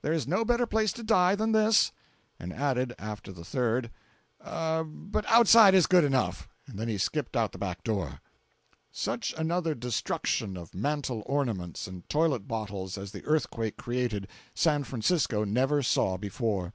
There is no better place to die than this"— And added, after the third: "But outside is good enough!" He then skipped out at the back door. 426.jpg (40K) Such another destruction of mantel ornaments and toilet bottles as the earthquake created, San Francisco never saw before.